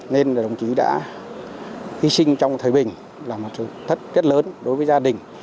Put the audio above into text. nên là đồng chí đã hy sinh trong thời bình là một sự thất rất lớn đối với gia đình